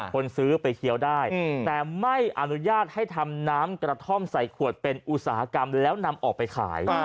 คนซื้อไปเคี้ยวได้แต่ไม่อนุญาตให้ทำน้ำกระท่อมใส่ขวดเป็นอุตสาหกรรมแล้วนำออกไปขาย